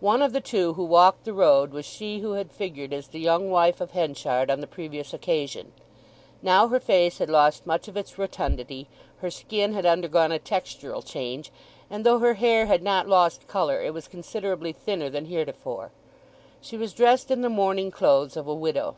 One of the two who walked the road was she who had figured as the young wife of Henchard on the previous occasion; now her face had lost much of its rotundity; her skin had undergone a textural change; and though her hair had not lost colour it was considerably thinner than heretofore. She was dressed in the mourning clothes of a widow.